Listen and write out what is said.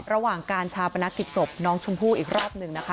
ระหว่างการชาปนกิจศพน้องชมพู่อีกรอบหนึ่งนะคะ